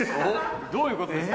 どういうことですか。